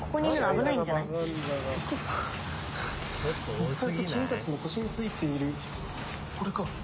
見つかると君たちの腰についているこれか。